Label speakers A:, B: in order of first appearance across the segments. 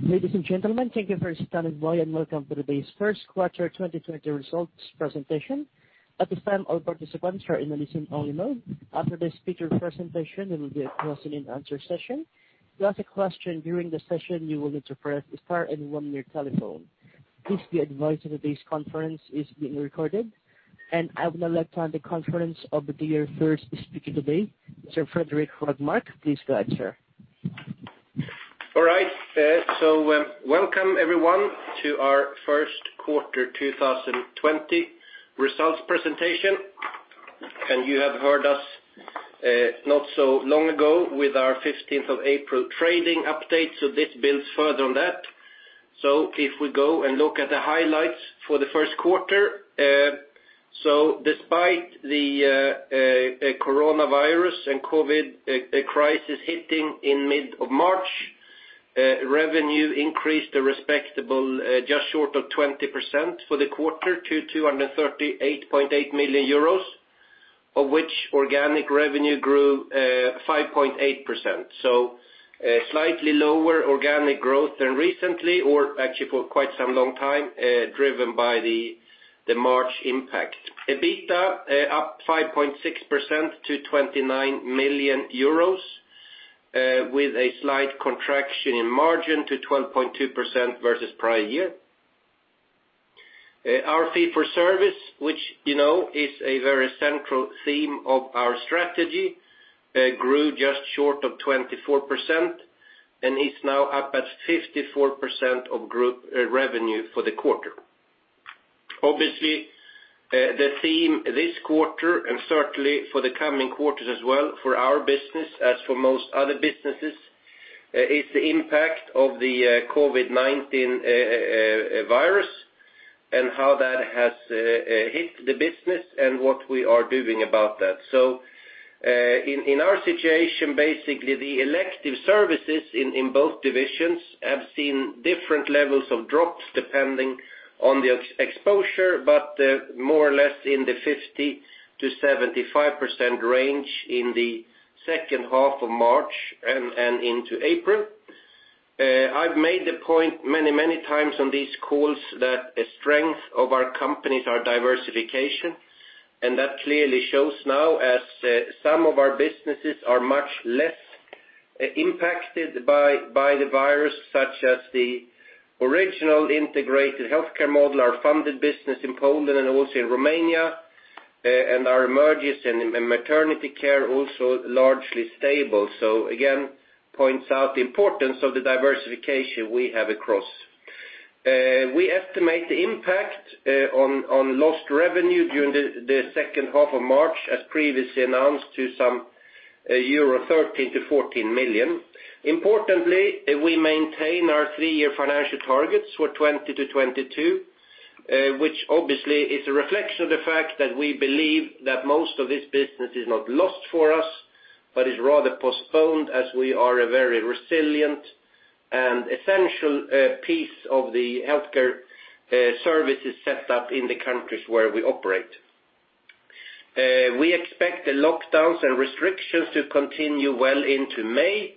A: Ladies and gentlemen, thank you for standing by, and welcome to the Medicover first quarter 2020 results presentation. At this time, all participants are in a listen-only mode. After the speaker presentation, there will be a question and answer session. To ask a question during the session, you will need to press star and one on your telephone. Please be advised that today's conference is being recorded, and I would now like to hand the conference over to your first speaker today, Sir Fredrik Rågmark. Please go ahead, sir.
B: All right. Welcome, everyone, to our first quarter 2020 results presentation. You have heard us not so long ago with our 15th of April trading update, this builds further on that. If we go and look at the highlights for the first quarter. Despite the coronavirus and COVID-19 crisis hitting in mid of March, revenue increased a respectable just short of 20% for the quarter to 238.8 million euros, of which organic revenue grew 5.8%. Slightly lower organic growth than recently or actually for quite some long time, driven by the March impact. EBITDA up 5.6% to 29 million euros, with a slight contraction in margin to 12.2% versus prior year. Our fee-for-service, which is a very central theme of our strategy, grew just short of 24% and is now up at 54% of group revenue for the quarter. The theme this quarter and certainly for the coming quarters as well, for our business as for most other businesses, is the impact of the COVID-19 virus and how that has hit the business and what we are doing about that. In our situation, basically, the elective services in both divisions have seen different levels of drops depending on the exposure, but more or less in the 50%-75% range in the second half of March and into April. I've made the point many times on these calls that a strength of our company is our diversification, and that clearly shows now as some of our businesses are much less impacted by the virus. Such as the original integrated healthcare model, our funded business in Poland and also in Romania, and our emergencies and maternity care, also largely stable. Again, points out the importance of the diversification we have across. We estimate the impact on lost revenue during the second half of March, as previously announced, to some euro 13 million-14 million. Importantly, we maintain our three-year financial targets for 2020-2022, which obviously is a reflection of the fact that we believe that most of this business is not lost for us. Is rather postponed as we are a very resilient and essential piece of the Healthcare Services set up in the countries where we operate. We expect the lockdowns and restrictions to continue well into May,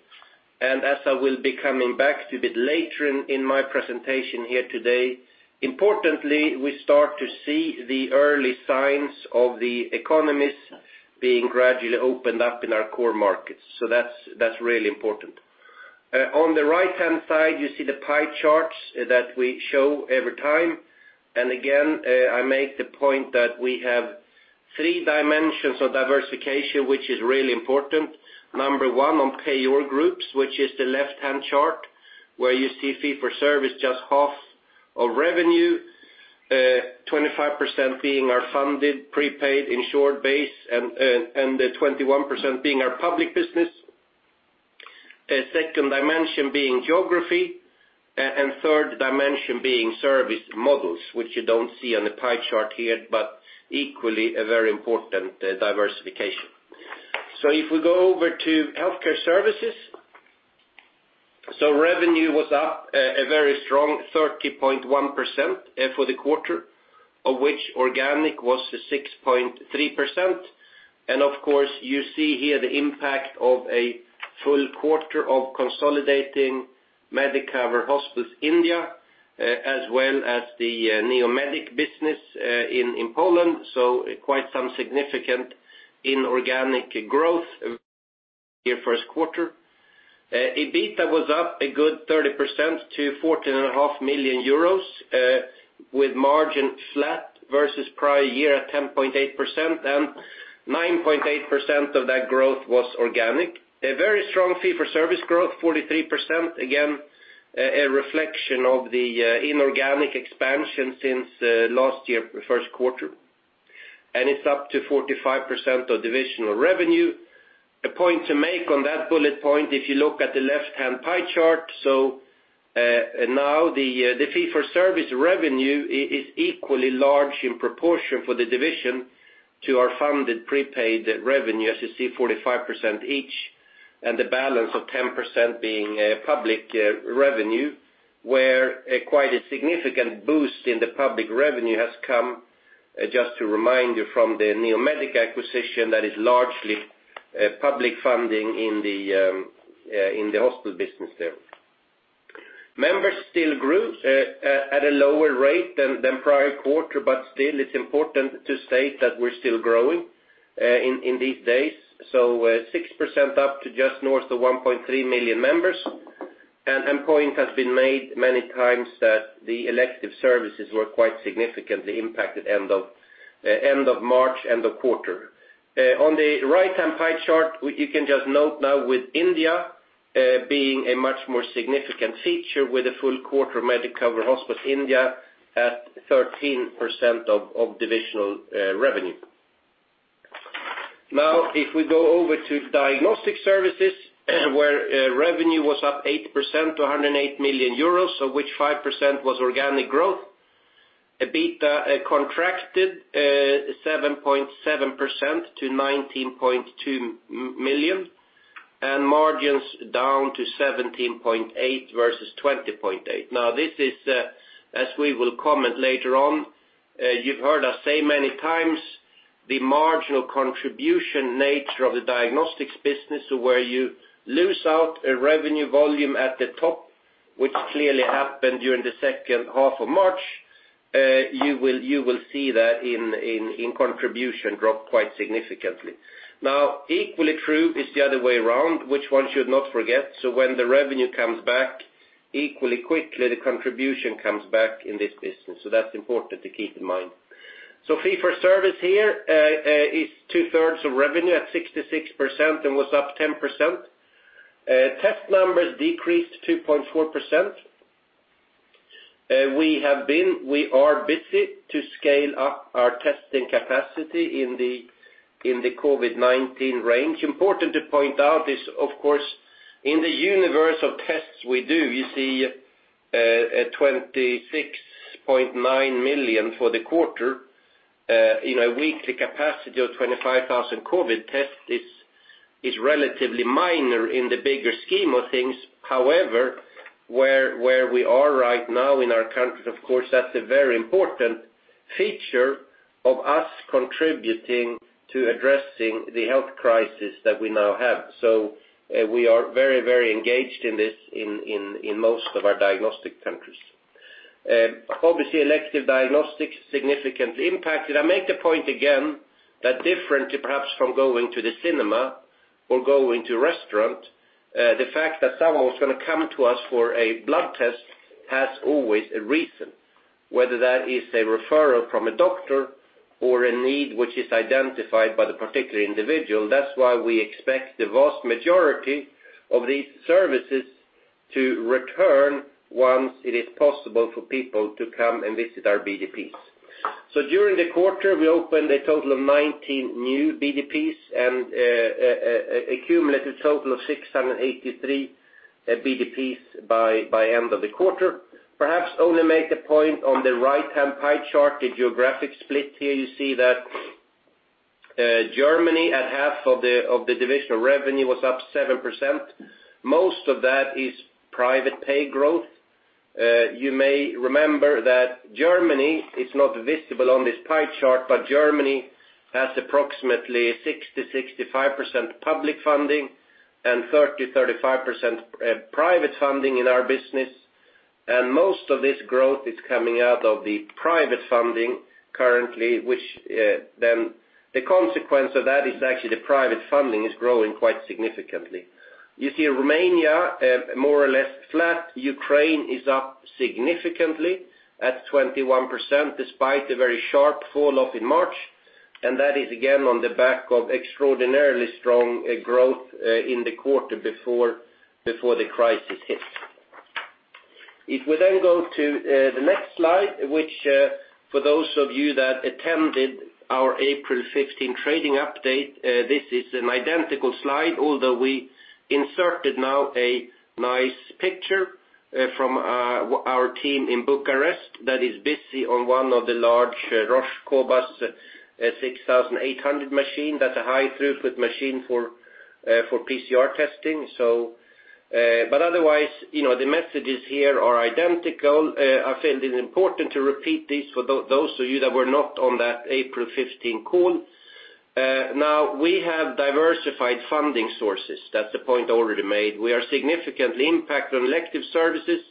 B: and as I will be coming back to a bit later in my presentation here today, importantly, we start to see the early signs of the economies being gradually opened up in our core markets. That's really important. On the right-hand side, you see the pie charts that we show every time. I make the point that we have three dimensions of diversification, which is really important. Number one, on payer groups, which is the left-hand chart, where you see fee-for-service just 54% of revenue, 25% being our funded, prepaid, insured base, and the 21% being our public business. Second dimension being geography, and third dimension being service models, which you don't see on the pie chart here, but equally a very important diversification. If we go over to Healthcare Services. Revenue was up a very strong 30.1% for the quarter, of which organic was 6.3%. Of course, you see here the impact of a full quarter of consolidating Medicover Hospitals India, as well as the Neomedic business in Poland, so quite some significant inorganic growth here first quarter. EBITDA was up a good 30% to 14.5 million euros, with margin flat versus prior year at 10.8%. 9.8% of that growth was organic. A very strong fee-for-service growth, 43%. Again, a reflection of the inorganic expansion since last year first quarter. It's up to 45% of divisional revenue. A point to make on that bullet point, if you look at the left-hand pie chart. Now the fee-for-service revenue is equally large in proportion for the division to our funded prepaid revenue, as you see 45% each. The balance of 10% being public revenue. Where quite a significant boost in the public revenue has come. Just to remind you from the Neomedic acquisition, that is largely public funding in the hospital business there. Members still grew at a lower rate than prior quarter, but still it's important to state that we're still growing in these days. 6% up to just north of 1.3 million members. Point has been made many times that the elective services were quite significantly impacted end of March, end of quarter. On the right-hand pie chart, you can just note now with India being a much more significant feature with a full quarter of Medicover Hospital India at 13% of divisional revenue. If we go over to Diagnostic Services, where revenue was up 8% to 108 million euros, of which 5% was organic growth. EBITDA contracted 7.7% to 19.2 million, and margins down to 17.8% versus 20.8%. This is, as we will comment later on, you've heard us say many times, the marginal contribution nature of the diagnostics business, where you lose out a revenue volume at the top, which clearly happened during the second half of March. You will see that in contribution drop quite significantly. Equally true is the other way around, which one should not forget. When the revenue comes back, equally quickly, the contribution comes back in this business. That's important to keep in mind. Fee-for-service here is 2/3 of revenue at 66% and was up 10%. Test numbers decreased 2.4%. We are busy to scale up our testing capacity in the COVID-19 range. Important to point out is, of course, in the universe of tests we do, you see 26.9 million for the quarter in a weekly capacity of 25,000 COVID-19 tests is relatively minor in the bigger scheme of things. Where we are right now in our countries, of course, that's a very important feature of us contributing to addressing the health crisis that we now have. We are very engaged in this in most of our diagnostic countries. Obviously, elective diagnostics are significantly impacted. I make the point again that differently perhaps from going to the cinema or going to a restaurant, the fact that someone was going to come to us for a blood test has always a reason, whether that is a referral from a doctor or a need which is identified by the particular individual. That's why we expect the vast majority of these services to return once it is possible for people to come and visit our BDPs. During the quarter, we opened a total of 19 new BDPs and a cumulative total of 683 BDPs by end of the quarter. Perhaps only make the point on the right-hand pie chart, the geographic split here, you see that Germany at 50% of the divisional revenue was up 7%. Most of that is private pay growth. You may remember that Germany is not visible on this pie chart, but Germany has approximately 60%, 65% public funding and 30%, 35% private funding in our business. Most of this growth is coming out of the private funding currently, which then the consequence of that is actually the private funding is growing quite significantly. You see Romania more or less flat. Ukraine is up significantly at 21%, despite a very sharp fall-off in March. That is again on the back of extraordinarily strong growth in the quarter before the crisis hit. If we then go to the next slide, which for those of you that attended our April 15 trading update, this is an identical slide. Although we inserted now a nice picture from our team in Bucharest that is busy on one of the large Roche cobas 6800 machine. That's a high throughput machine for PCR testing. Otherwise, the messages here are identical. I feel it is important to repeat this for those of you that were not on that April 15 call. Now, we have diversified funding sources. That's the point already made. We are significantly impacted on elective services,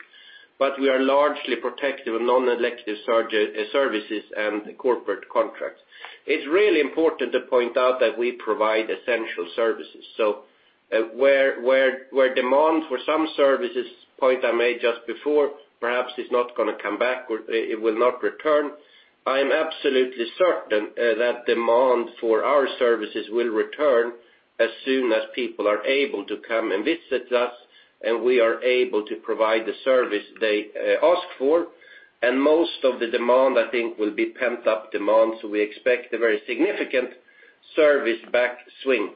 B: but we are largely protected with non-elective services and corporate contracts. It's really important to point out that we provide essential services. Where demand for some services, point I made just before, perhaps is not going to come back or it will not return, I am absolutely certain that demand for our services will return as soon as people are able to come and visit us, and we are able to provide the service they ask for. Most of the demand, I think, will be pent-up demand. We expect a very significant service back swing.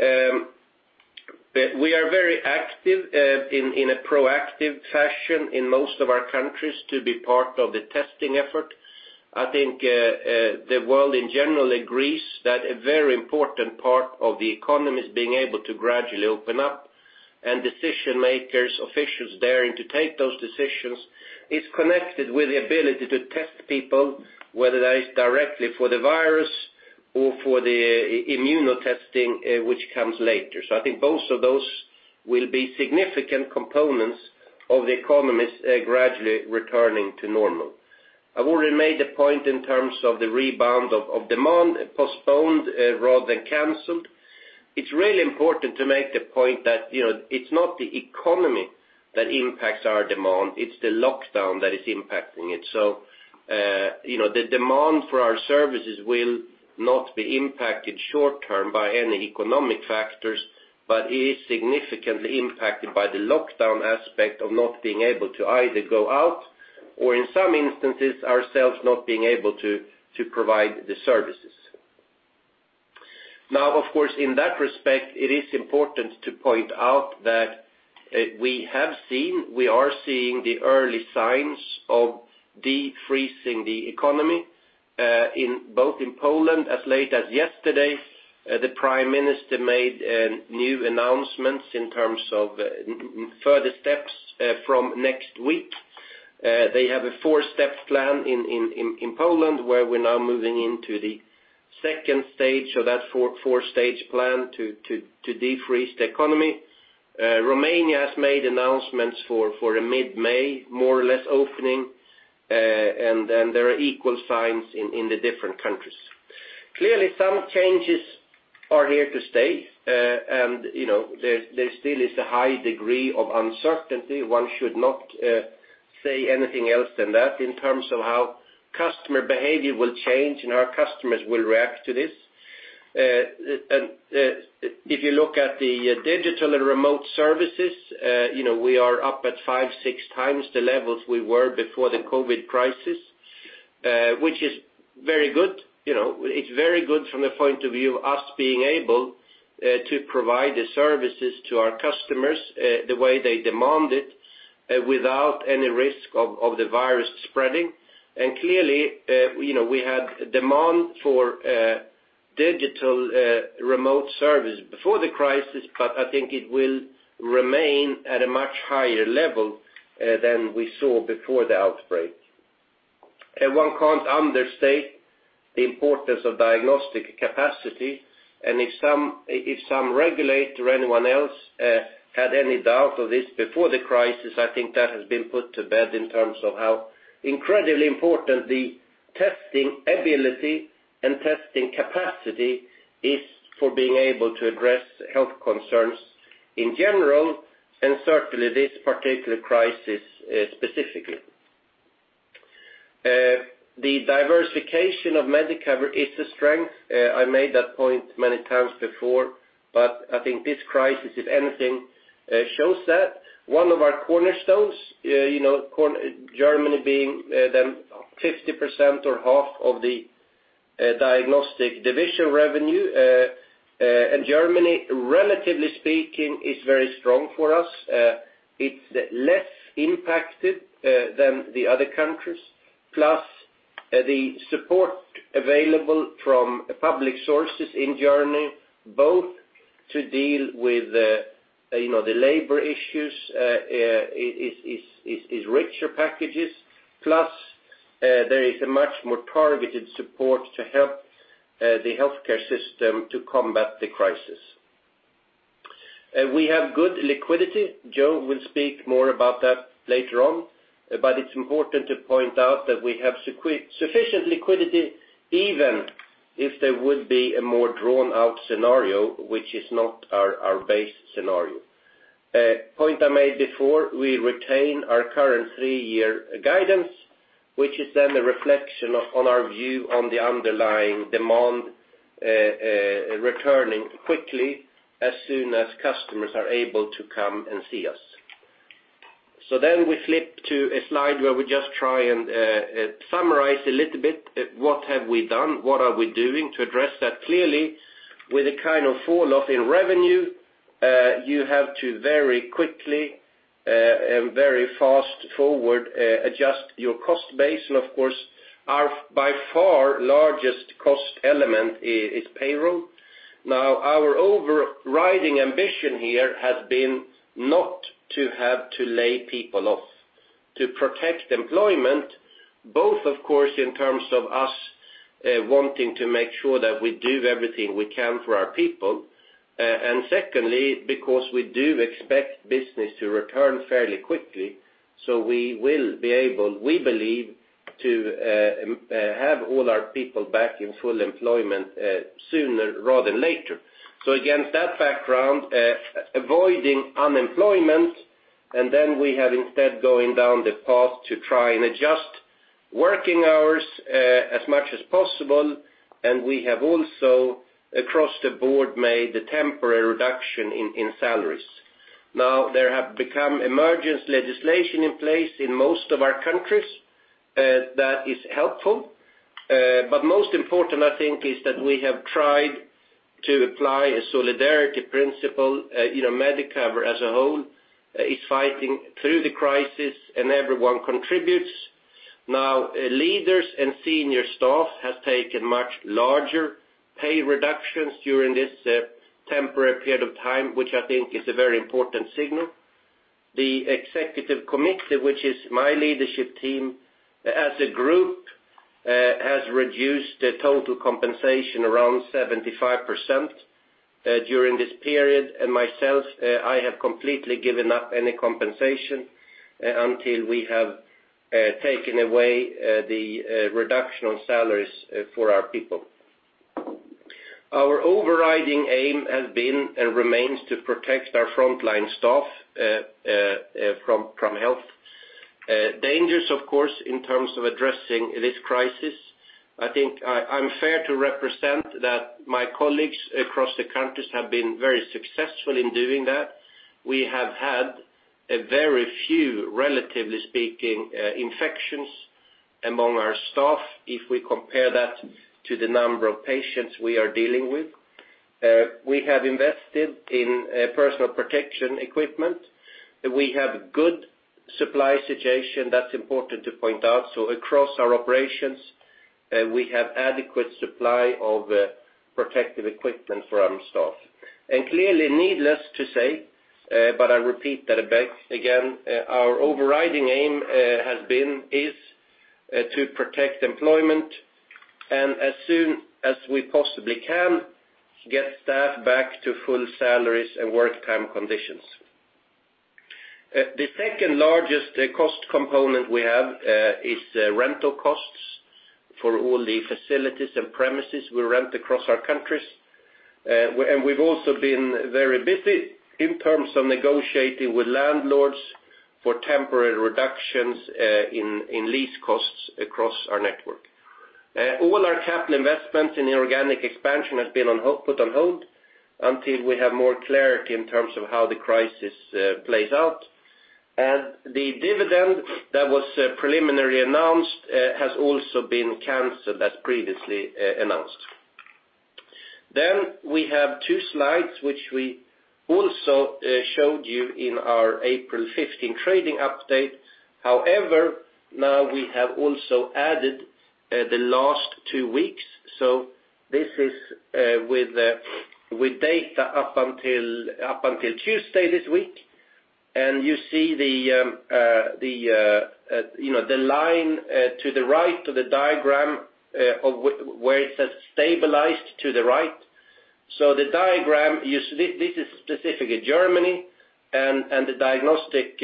B: We are very active in a proactive fashion in most of our countries to be part of the testing effort. I think the world in general agrees that a very important part of the economy is being able to gradually open up. Decision makers, officials daring to take those decisions, is connected with the ability to test people, whether that is directly for the virus or for the immunotesting which comes later. I think both of those will be significant components of the economies gradually returning to normal. I've already made the point in terms of the rebound of demand postponed rather than canceled. It's really important to make the point that it's not the economy that impacts our demand, it's the lockdown that is impacting it. The demand for our services will not be impacted short-term by any economic factors, but it is significantly impacted by the lockdown aspect of not being able to either go out or, in some instances, ourselves not being able to provide the services. Now, of course, in that respect, it is important to point out that we have seen, we are seeing the early signs of defreezing the economy. Both in Poland, as late as yesterday, the Prime Minister made new announcements in terms of further steps from next week. They have a four-step plan in Poland, where we're now moving into the second stage of that four-stage plan to defreeze the economy. Romania has made announcements for a mid-May, more or less, opening, and there are equal signs in the different countries. Clearly, some changes are here to stay, and there still is a high degree of uncertainty. One should not say anything else than that in terms of how customer behavior will change and how customers will react to this. If you look at the digital remote services, clearly, we are up at 5x, 6x the levels we were before the COVID-19 crisis, which is very good. It's very good from the point of view of us being able to provide the services to our customers the way they demand it, without any risk of the virus spreading. And clearly, we had demand for digital remote service before the crisis, but I think it will remain at a much higher level than we saw before the outbreak. One can't understate the importance of diagnostic capacity, and if some regulator or anyone else had any doubt of this before the crisis, I think that has been put to bed in terms of how incredibly important the testing ability and testing capacity is for being able to address health concerns in general, and certainly this particular crisis specifically. The diversification of Medicover is a strength. I made that point many times before, but I think this crisis, if anything, shows that one of our cornerstones, Germany, being 50% or half of the diagnostic division revenue. Germany, relatively speaking, is very strong for us. It's less impacted than the other countries, plus the support available from public sources in Germany, both to deal with the labor issues with richer packages. There is a much more targeted support to help the healthcare system to combat the crisis. We have good liquidity. Joe will speak more about that later on, but it's important to point out that we have sufficient liquidity, even if there would be a more drawn-out scenario, which is not our base scenario. A point I made before, we retain our current three-year guidance, which is then a reflection on our view on the underlying demand returning quickly as soon as customers are able to come and see us. We flip to a slide where we just try and summarize a little bit what have we done, what are we doing to address that. Clearly, with a kind of fall-off in revenue, you have to very quickly and very fast forward adjust your cost base. Of course, our by far largest cost element is payroll. Now, our overriding ambition here has been not to have to lay people off. To protect employment, both, of course, in terms of us wanting to make sure that we do everything we can for our people. Secondly, because we do expect business to return fairly quickly, we will be able, we believe, to have all our people back in full employment sooner rather than later. Against that background, avoiding unemployment, then we have instead going down the path to try and adjust working hours as much as possible, we have also, across the board, made a temporary reduction in salaries. There have become emergency legislation in place in most of our countries. That is helpful. Most important, I think, is that we have tried to apply a solidarity principle. Medicover as a whole is fighting through the crisis, and everyone contributes. Leaders and senior staff have taken much larger pay reductions during this temporary period of time, which I think is a very important signal. The executive committee, which is my leadership team, as a group, has reduced the total compensation around 75% during this period. I have completely given up any compensation until we have taken away the reduction on salaries for our people. Our overriding aim has been, and remains, to protect our frontline staff from health dangers, of course, in terms of addressing this crisis. I think I'm fair to represent that my colleagues across the countries have been very successful in doing that. We have had a very few, relatively speaking, infections among our staff, if we compare that to the number of patients we are dealing with. We have invested in personal protection equipment. We have good supply situation. That's important to point out. Across our operations, we have adequate supply of protective equipment for our staff. Clearly, needless to say, but I repeat that again, our overriding aim has been, is, to protect employment, and as soon as we possibly can, get staff back to full salaries and work time conditions. The second largest cost component we have is rental costs for all the facilities and premises we rent across our countries. We've also been very busy in terms of negotiating with landlords for temporary reductions in lease costs across our network. All our capital investments in the organic expansion has been put on hold until we have more clarity in terms of how the crisis plays out. The dividend that was preliminarily announced has also been canceled, as previously announced. We have two slides, which we also showed you in our April 15 trading update. However, now we have also added the last two weeks. This is with data up until Tuesday this week. You see the line to the right of the diagram, where it says stabilized to the right. The diagram, this is specific to Germany; the diagnostic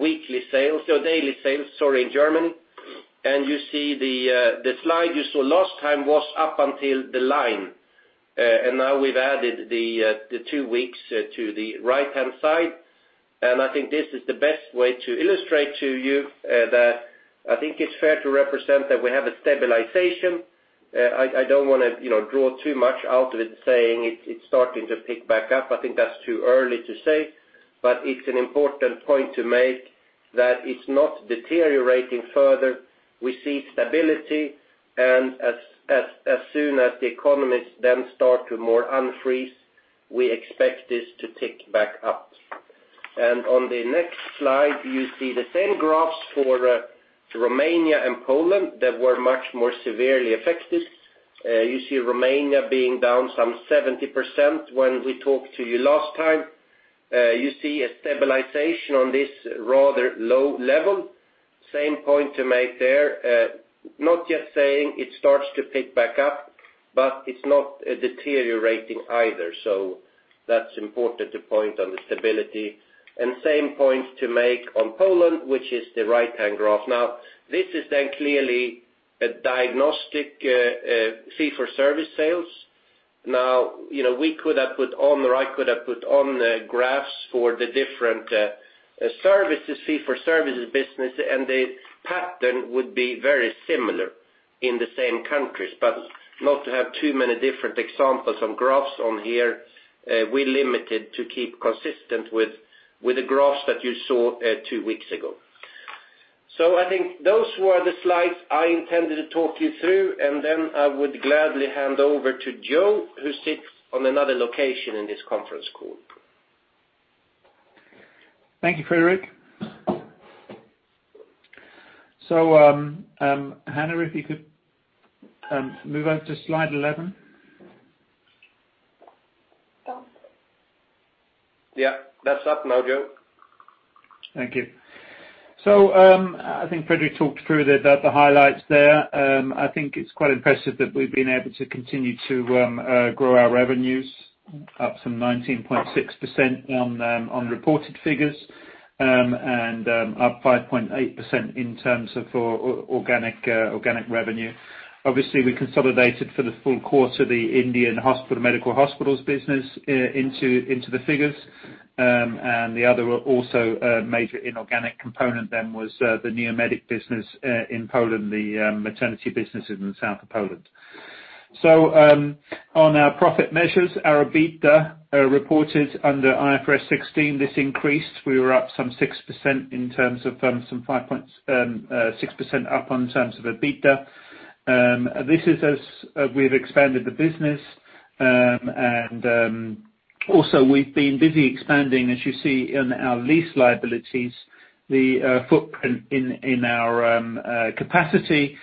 B: weekly sales in Germany. You see, the slide you saw last time was up until the line. Now, we've added the two weeks to the right-hand side. I think this is the best way to illustrate to you that I think it's fair to represent that we have a stabilization. I don't want to draw too much out of it, saying it's starting to pick back up. I think that's too early to say, but it's an important point to make that it's not deteriorating further. We see stability. As soon as the economies then start to more unfreeze, we expect this to pick back up. On the next slide, you see the same graphs for Romania and Poland that were much more severely affected. You see Romania being down some 70% when we talked to you last time. You see a stabilization on this rather low level. Same point to make there. Not yet saying it starts to pick back up, but it's not deteriorating either. That's important to point on the stability. Same point to make on Poland, which is the right-hand graph. This is clearly a diagnostic fee-for-service sales. I could have put on the graphs for the different services, fee-for-service business, and the pattern would be very similar in the same countries. Not to have too many different examples on graphs on here, we limited to keep consistent with the graphs that you saw two weeks ago. I think those were the slides I intended to talk you through, and then I would gladly hand over to Joe, who sits on another location in this conference call.
C: Thank you, Fredrik. Hanna, if you could move on to slide 11.
B: Yeah. That's up now, Joe.
C: Thank you. I think Fredrik talked through the highlights there. I think it's quite impressive that we've been able to continue to grow our revenues up some 19.6% on reported figures, and up 5.8% in terms of organic revenue. Obviously, we consolidated for the full course of the Medicover Hospitals India business into the figures. The other also major inorganic component then was the Neomedic business in Poland, the maternity business in the south of Poland. On our profit measures, our EBITDA reported under IFRS 16 this increased. We were up some 6% up in terms of EBITDA. This is as we've expanded the business, also we've been busy expanding, as you see in our lease liabilities, the footprint in our capacity,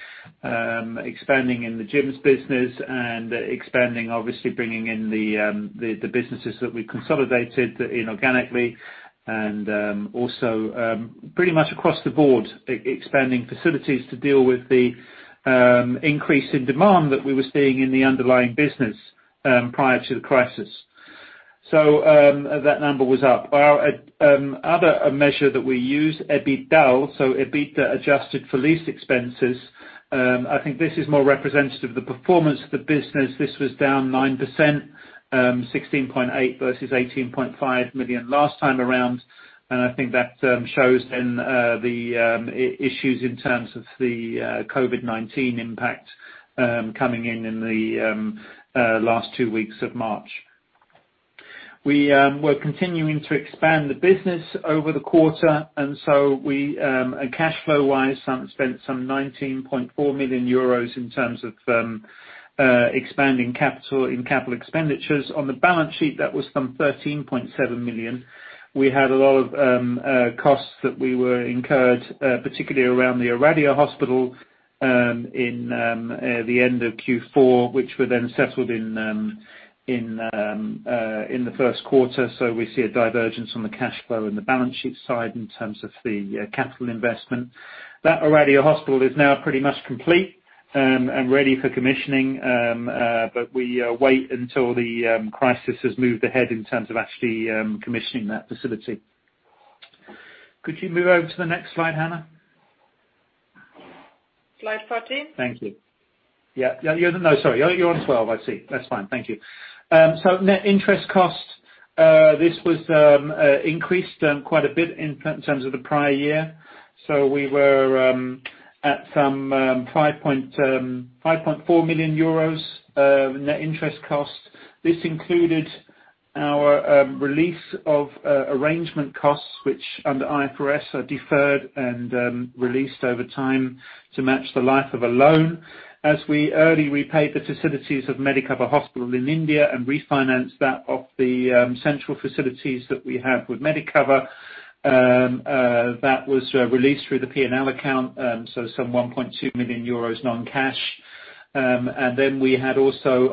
C: expanding in the gyms business and expanding, obviously bringing in the businesses that we consolidated inorganically and also pretty much across the board, expanding facilities to deal with the increase in demand that we were seeing in the underlying business prior to the crisis. That number was up. Our other measure that we used, adjusted EBITDA for lease expenses. I think this is more representative of the performance of the business. This was down 9%, 16.8 million versus 18.5 million last time around. I think that shows then the issues in terms of the COVID-19 impact coming in the last two weeks of March. We were continuing to expand the business over the quarter. Cash flow-wise, spent some 19.4 million euros in terms of expanding capital in capital expenditures. On the balance sheet, that was some 13.7 million. We had a lot of costs that we were incurred, particularly around the Oradea hospital in the end of Q4, which were then settled in the first quarter. We see a divergence on the cash flow and the balance sheet side in terms of the capital investment. That Oradea hospital is now pretty much complete and ready for commissioning. We wait until the crisis has moved ahead in terms of actually commissioning that facility. Could you move over to the next slide, Hanna?
D: Slide 14?
C: Thank you. No, sorry. You're on slide 12, I see. That's fine. Thank you. Net interest cost, this was increased quite a bit in terms of the prior year. We were at some 5.4 million euros net interest cost. This included our release of arrangement costs, which under IFRS are deferred and released over time to match the life of a loan. As we early repaid the facilities of Medicover Hospital in India and refinanced that of the central facilities that we have with Medicover, that was released through the P&L account, so some 1.2 million euros non-cash. We had also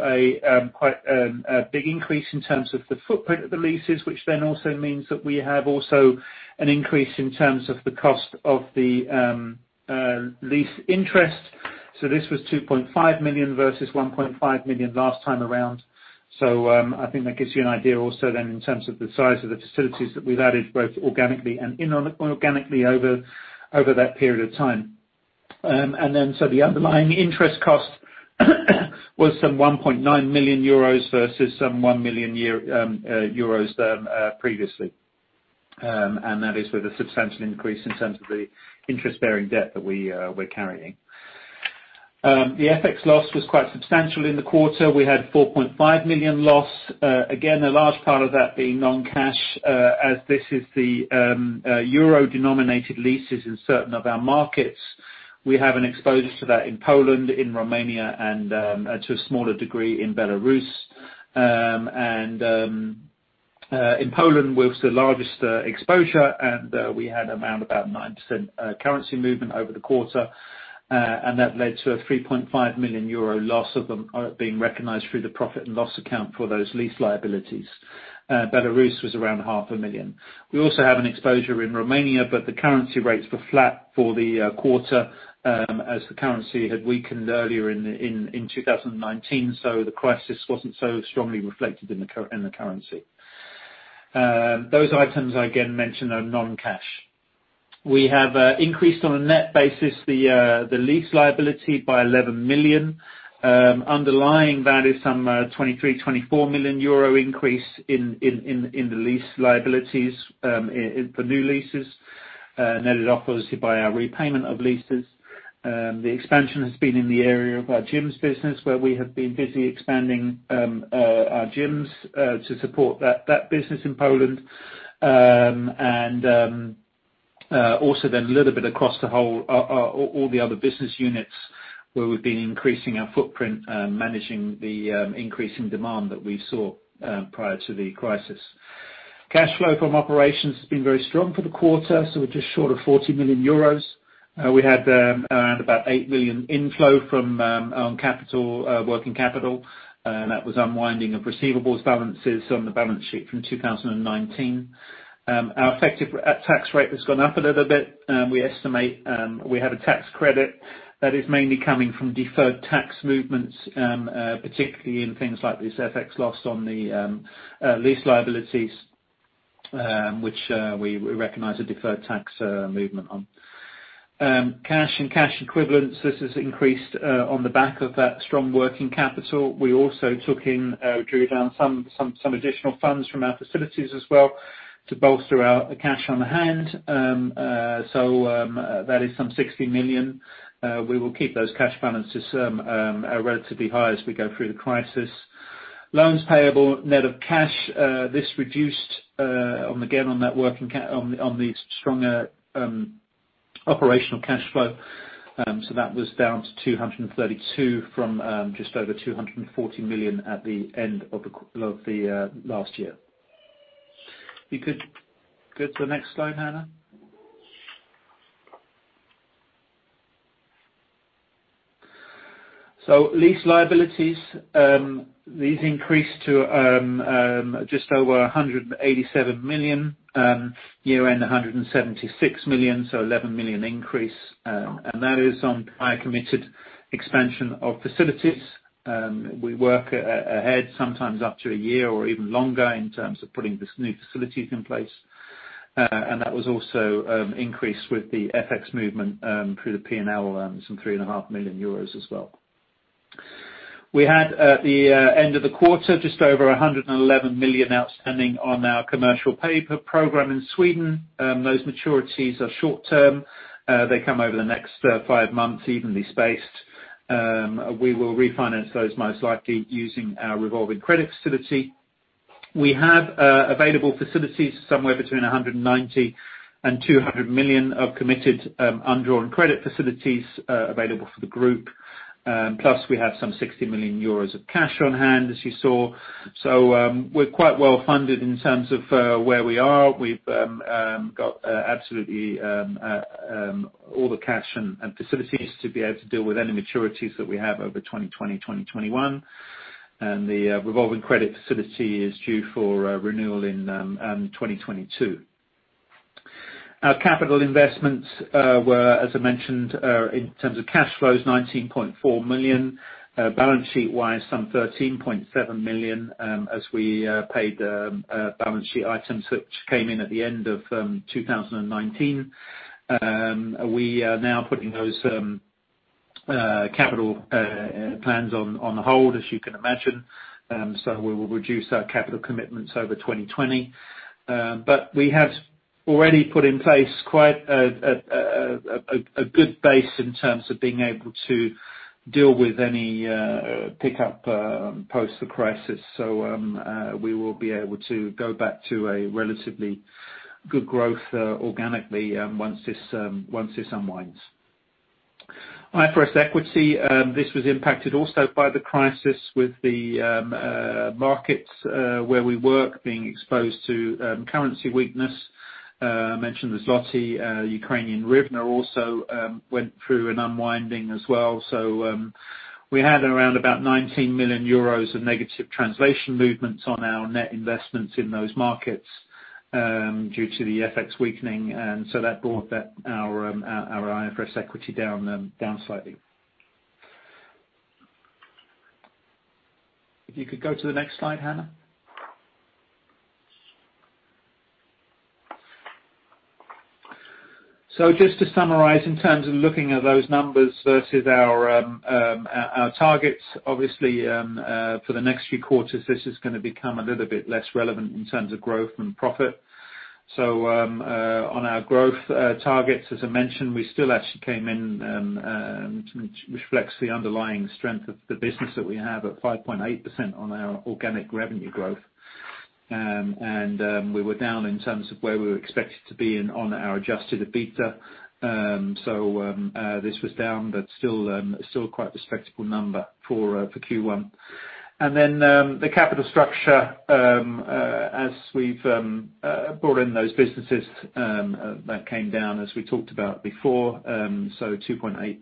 C: quite a big increase in terms of the footprint of the leases, which then also means that we have also an increase in terms of the cost of the lease interest. This was 2.5 million versus 1.5 million last time around. I think that gives you an idea also, then in terms of the size of the facilities that we've added, both organically and inorganically, over that period of time. The underlying interest cost was some 1.9 million euros versus some 1 million euros previously. That is with a substantial increase in terms of the interest-bearing debt that we're carrying. The FX loss was quite substantial in the quarter. We had 4.5 million loss. Again, a large part of that being non-cash, as this is the euro-denominated leases in certain of our markets. We have an exposure to that in Poland, in Romania, and to a smaller degree in Belarus. In Poland was the largest exposure, and we had around about 9% currency movement over the quarter. That led to a 3.5 million euro loss of them, being recognized through the profit and loss account for those lease liabilities. Belarus was around EUR 500, 000. We also have an exposure in Romania, the currency rates were flat for the quarter, as the currency had weakened earlier in 2019; the crisis wasn't so strongly reflected in the currency. Those items, I again mention, are non-cash. We have increased on a net basis the lease liability by 11 million. Underlying that is some 23 million euro, 24 million euro increase in the lease liabilities for new leases, netted off obviously by our repayment of leases. The expansion has been in the area of our gym business, where we have been busy expanding our gyms to support that business in Poland. A little bit across all the other business units where we've been increasing our footprint, managing the increasing demand that we saw prior to the crisis. Cash flow from operations has been very strong for the quarter, so we're just short of 40 million euros. We had around about 8 million inflow from working capital. That was unwinding of receivables balances on the balance sheet from 2019. Our effective tax rate has gone up a little bit. We estimate we have a tax credit that is mainly coming from deferred tax movements, particularly in things like this, FX loss on the lease liabilities, which we recognize a deferred tax movement on. Cash and cash equivalents this has increased on the back of that strong working capital. We also drew down some additional funds from our facilities as well to bolster our cash on hand. That is some 60 million. We will keep those cash balances relatively high as we go through the crisis. Loans payable, net of cash, this reduced again on the stronger operational cash flow. That was down to 232 million from just over 240 million at the end of the last year. If you could go to the next slide, Hanna. Lease liabilities, these increased to just over 187 million, year-end 176 million, so 11 million increase. That is on prior committed expansion of facilities. We work ahead sometimes up to a year or even longer in terms of putting these new facilities in place. That was also increased with the FX movement through the P&L, some 3.5 million euros as well. We had, at the end of the quarter, just over 111 million outstanding on our commercial paper programme in Sweden. Those maturities are short-term. They come over the next five months, evenly spaced. We will refinance those, most likely, using our revolving credit facility. We have available facilities, somewhere between 190 million and 200 million of committed undrawn credit facilities available for the group. Plus, we have some 60 million euros of cash on hand, as you saw. We're quite well-funded in terms of where we are. We've got absolutely all the cash and facilities to be able to deal with any maturities that we have over 2020, 2021. The revolving credit facility is due for renewal in 2022. Our capital investments were, as I mentioned, in terms of cash flows, 19.4 million. Balance sheet-wise, some 13.7 million as we paid balance sheet items, which came in at the end of 2019. We are now putting those capital plans on hold, as you can imagine. We will reduce our capital commitments over 2020. We have already put in place quite a good base in terms of being able to deal with any pickup post the crisis. We will be able to go back to a relatively good growth organically once this unwinds. IFRS equity, this was impacted also by the crisis with the markets where we work being exposed to currency weakness. I mentioned the złoty. Ukrainian hryvnia also went through an unwinding as well. We had around about 19 million euros of negative translation movements on our net investments in those markets due to the FX weakening. That brought our IFRS equity down slightly. If you could go to the next slide, Hanna. Just to summarize, in terms of looking at those numbers versus our targets, obviously, for the next few quarters, this is going to become a little bit less relevant in terms of growth and profit. On our growth targets, as I mentioned, we still actually came in, which reflects the underlying strength of the business that we have at 5.8% on our organic revenue growth. We were down in terms of where we were expected to be on our adjusted EBITDA. This was down, but still quite a respectable number for Q1. The capital structure, as we've brought in those businesses, that came down, as we talked about before, 2.8x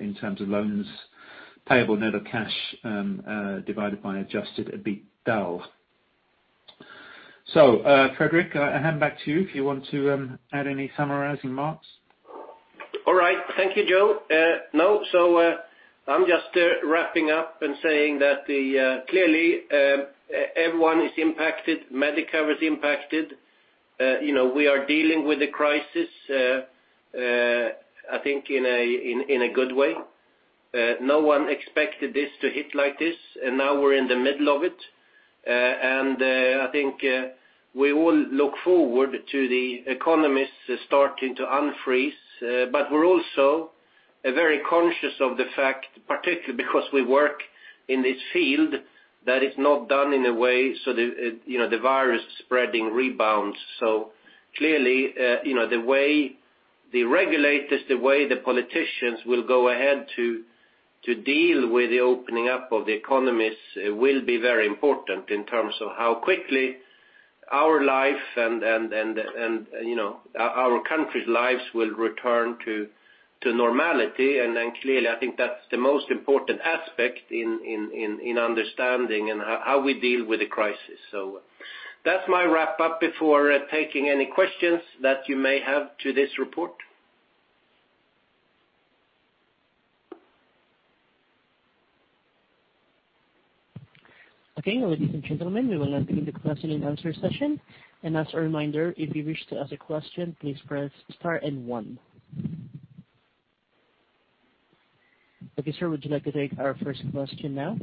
C: in terms of loans payable net of cash, divided by adjusted EBITDA. Fredrik, I hand back to you if you want to add any summarizing marks.
B: All right. Thank you, Joe. I'm just wrapping up and saying that clearly, everyone is impacted. Medicover is impacted. We are dealing with the crisis, I think, in a good way. No one expected this to hit like this, and now we're in the middle of it. I think we all look forward to the economies starting to unfreeze. We're also very conscious of the fact, particularly because we work in this field, that it's not done in a way so the virus spreading rebounds. Clearly, the way the regulators, the way the politicians will go ahead to deal with the opening up of the economies will be very important in terms of how quickly our life and our countries' lives will return to normality. Clearly, I think that's the most important aspect in understanding and how we deal with the crisis. That's my wrap-up before taking any questions that you may have to this report.
A: Okay, ladies and gentlemen, we will now begin the question and answer session. As a reminder, if you wish to ask a question, please press star and one. Okay, sir, would you like to take our first question now?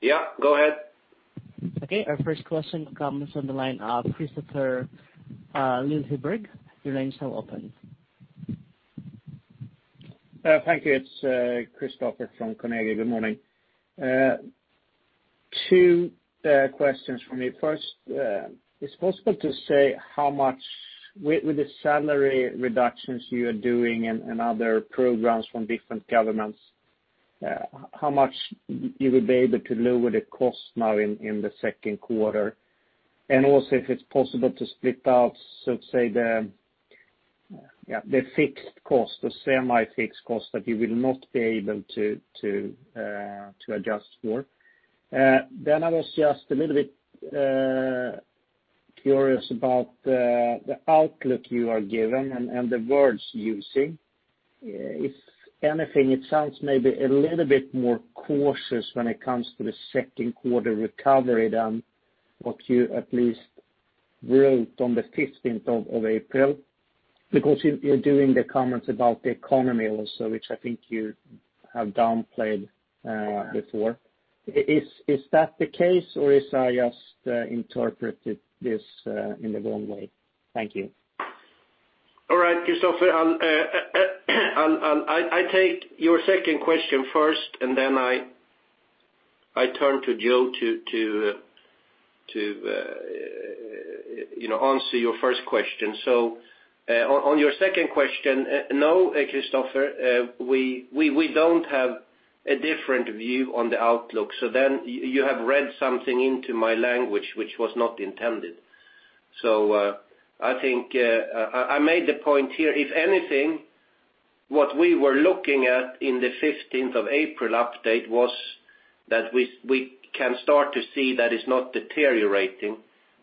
B: Yeah, go ahead.
A: Okay, our first question comes on the line of Kristofer Liljeberg. Your line is now open.
E: Thank you. It's Kristofer from Carnegie. Good morning. Two questions from me. First, is it possible to say, with the salary reductions you are doing and other programs from different governments, how much you would be able to lower the cost now in the second quarter? Also, if it's possible to split out, so to say, the fixed cost or semi-fixed cost that you will not be able to adjust for. I was just a little bit curious about the outlook you are giving and the words you're using. If anything, it sounds maybe a little bit more cautious when it comes to the second quarter recovery than what you at least wrote on the 15th of April, because you're doing the comments about the economy also, which I think you have downplayed before. Is that the case, or have I just interpreted this in the wrong way? Thank you.
B: All right, Kristofer. I take your second question first, and then I turn to Joe to answer your first question. On your second question, no, Kristofer, we don't have a different view on the outlook. You have read something into my language which was not intended. I think I made the point here. If anything, what we were looking at in the 15th of April update was that we can start to see that it's not deteriorating,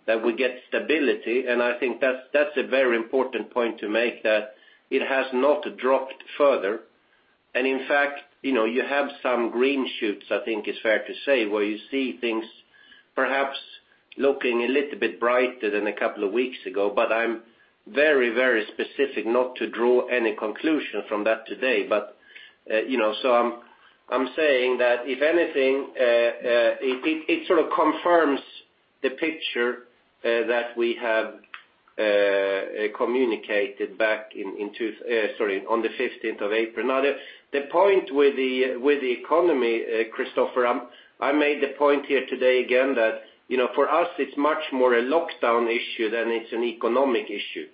B: that we get stability, and I think that's a very important point to make, that it has not dropped further. In fact, you have some green shoots, I think is fair to say, where you see things perhaps looking a little bit brighter than a couple of weeks ago. I'm very specific not to draw any conclusion from that today. I'm saying that if anything, it sort of confirms the picture that we have communicated back on the 15th of April. The point with the economy, Kristofer, I made the point here today again that for us it's much more a lockdown issue than it's an economic issue.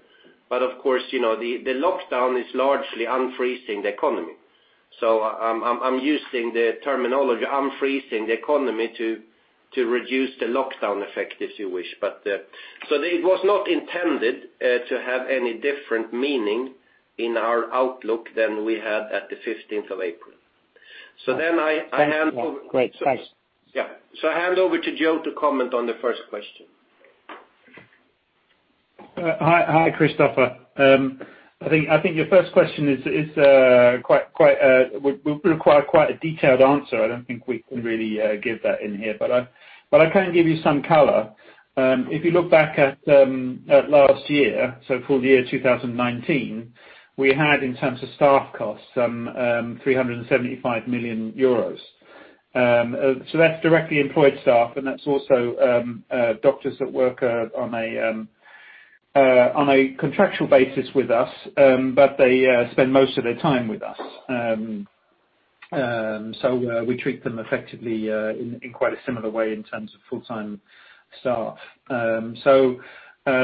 B: The lockdown is largely unfreezing the economy. I'm using the terminology "unfreezing the economy" to reduce the lockdown effect, if you wish. It was not intended to have any different meaning in our outlook than we had at the 15th of April.
E: Thanks.
B: Yeah. I hand over to Joe to comment on the first question.
C: Hi, Kristofer. I think your first question would require quite a detailed answer. I don't think we can really give that in here, but I can give you some color. If you look back at last year, full year 2019, we had, in terms of staff costs, some 375 million euros. That's directly employed staff, and that's also doctors that work on a contractual basis with us, but they spend most of their time with us. We treat them effectively in quite a similar way in terms of full-time staff. So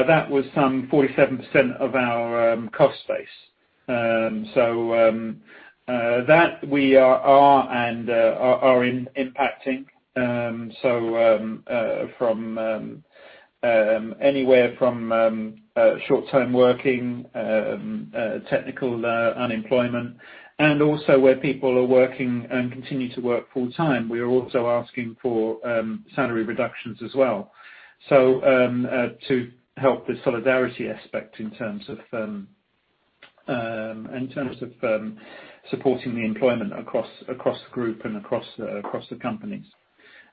C: that was some 47% of our cost base, and that we are impacting, anywhere from short-time working, technical unemployment, and also where people are working and continue to work full-time. We are also asking for salary reductions as well to help the solidarity aspect in terms of supporting the employment across the group and across the companies.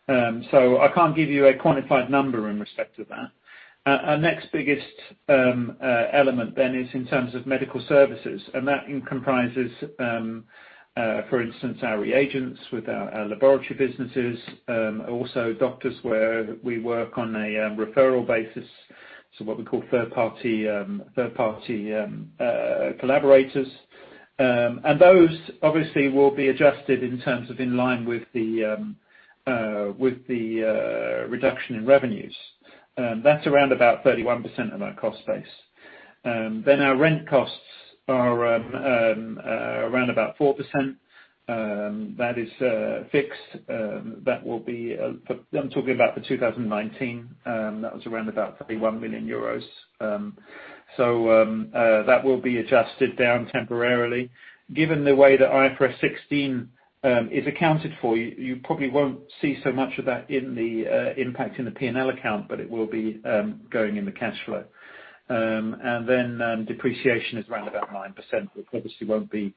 C: I can't give you a quantified number in respect of that. Our next biggest element then is in terms of medical services, and that encompasses, for instance, our reagents with our laboratory businesses, also doctors, where we work on a referral basis, so what we call third-party collaborators. Those obviously will be adjusted in terms of in line with the reduction in revenues. That's around about 31% of our cost base. Our rent costs are around about 4%. That is fixed. I'm talking about for 2019. That was around about 31 million euros. That will be adjusted down temporarily. Given the way that IFRS 16 is accounted for, you probably won't see so much of that in the impact in the P&L account, but it will be going in the cash flow. Depreciation is around about 9%, which obviously won't be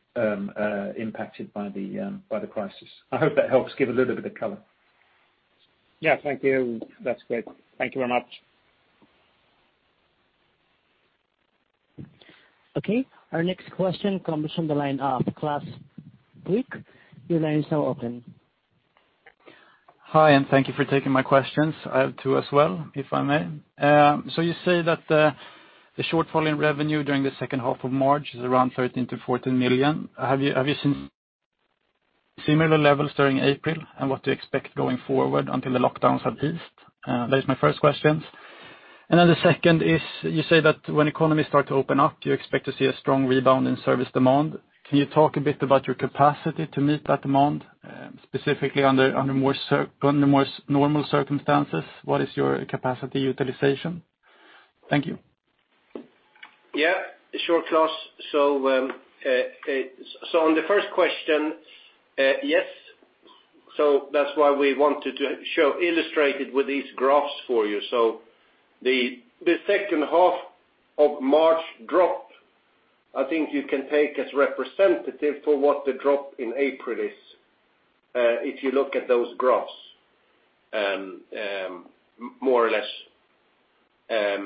C: impacted by the crisis. I hope that helps give a little bit of color.
E: Yeah. Thank you. That's great. Thank you very much.
A: Okay. Our next question comes from the line of Claes Hemberg. Your line is now open.
F: Hi, thank you for taking my questions. I have two as well, if I may. You say that the shortfall in revenue during the second half of March is around 13 million-14 million. Have you seen similar levels during April? What do you expect going forward until the lockdowns have eased? That is my first question. The second is, you say that when economies start to open up, you expect to see a strong rebound in service demand. Can you talk a bit about your capacity to meet that demand, specifically under more normal circumstances? What is your capacity utilization? Thank you.
B: Yeah, sure, Claes. On the first question, yes. That's why we wanted to illustrate it with these graphs for you. The second half of March drop, I think you can take as representative for what the drop in April is, if you look at those graphs, more or less. That's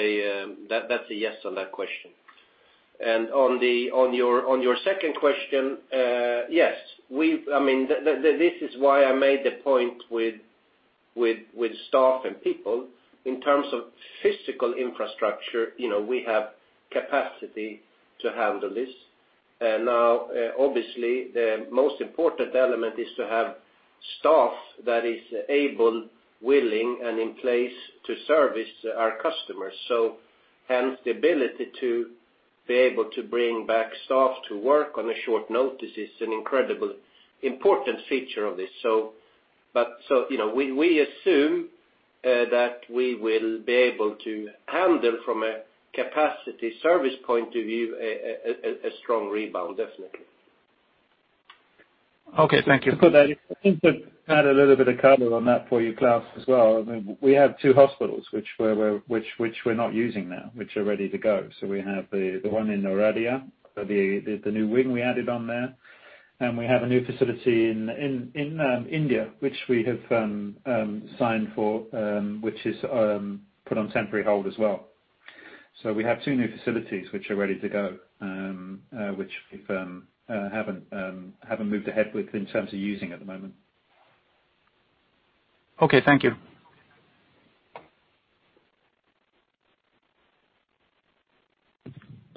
B: a yes on that question. On your second question, yes. This is why I made the point with staff and people. In terms of physical infrastructure, we have capacity to handle this. Now, obviously, the most important element is to have staff that is able, willing, and in place to service our customers. Hence, the ability to be able to bring back staff to work on a short notice is an incredibly important feature of this. We assume that we will be able to handle, from a capacity service point of view, a strong rebound, definitely.
F: Okay. Thank you.
C: I think to add a little bit of color on that for you, Claes, as well. We have two hospitals which we're not using now, which are ready to go. We have the one in Oradea, the new wing we added on there, and we have a new facility in India, which we have signed for, which is put on temporary hold as well. We have two new facilities, which are ready to go, which we haven't moved ahead with in terms of using at the moment.
F: Okay, thank you.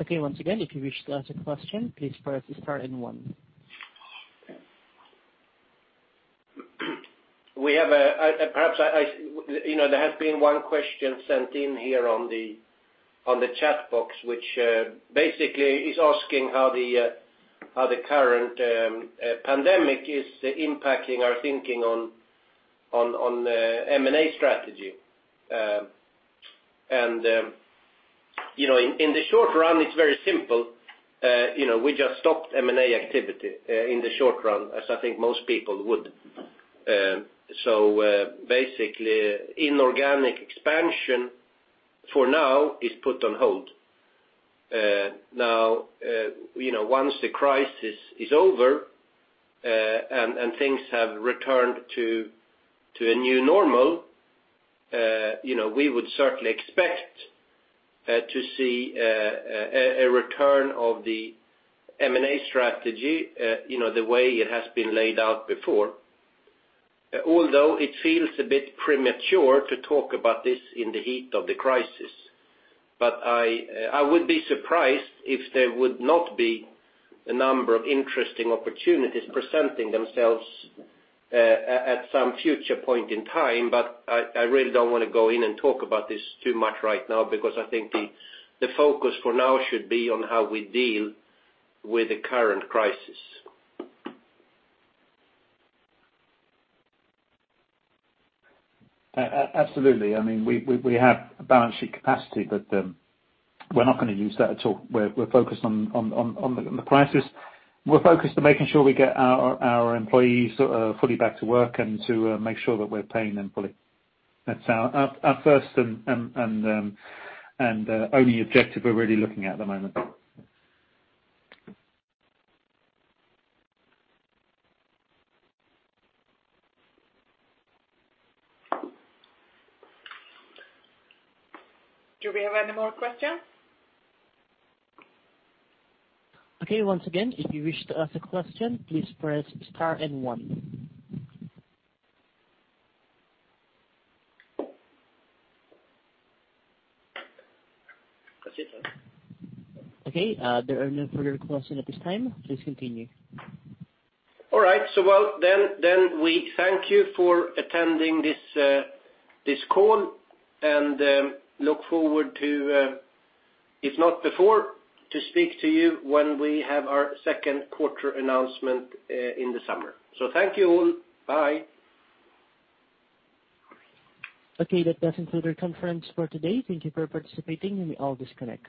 A: Okay, once again, if you wish to ask a question, please press star and one.
B: There has been one question sent in here on the chat box, which basically is asking how the current pandemic is impacting our thinking on M&A strategy. In the short run, it's very simple. We just stopped M&A activity in the short run, as I think most people would. Basically, inorganic expansion, for now, is put on hold. Once the crisis is over and things have returned to a new normal, we would certainly expect to see a return of the M&A strategy, the way it has been laid out before. Although, it feels a bit premature to talk about this in the heat of the crisis. I would be surprised if there would not be a number of interesting opportunities presenting themselves at some future point in time. I really don't want to go in and talk about this too much right now, because I think the focus for now should be on how we deal with the current crisis.
C: Absolutely. We have a balance sheet capacity. We're not going to use that at all. We're focused on the crisis. We're focused on making sure we get our employees fully back to work and to make sure that we're paying them fully. That's our first and only objective we're really looking at the moment.
D: Do we have any more questions?
A: Okay, once again, if you wish to ask a question, please press star and one.
B: That's it then.
A: Okay, there are no further questions at this time. Please continue.
B: All right, well then, we thank you for attending this call, and look forward to, if not before, to speak to you when we have our second quarter announcement in the summer. Thank you all. Bye.
A: Okay. That does conclude our conference for today. Thank you for participating. You may all disconnect.